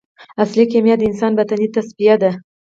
اصلي کیمیا د انسان باطني تصفیه ده.